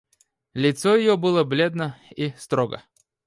Лицо ее было бледно и строго.